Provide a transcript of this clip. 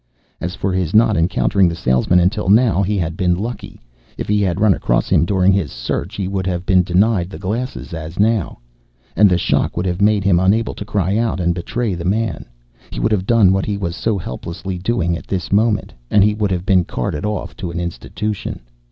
As for his not encountering the salesman until now, he had been lucky. If he had run across him during his search, he would have been denied the glasses, as now. And the shock would have made him unable to cry out and betray the man. He would have done what he was so helplessly doing at this moment, and he would have been carted off to an institution.